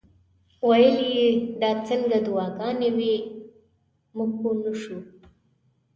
ویل یې دا څنګه دعاګانې وې موږ پوه نه شو.